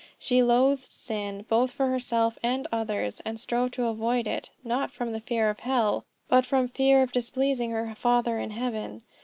She loathed sin both in herself and others, and strove to avoid it, not from the fear of hell, but from fear of displeasing her Father in heaven.